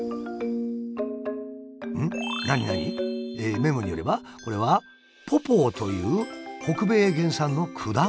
メモによればこれは「ポポー」という北米原産の果物。